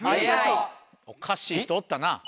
おかしい人おったな。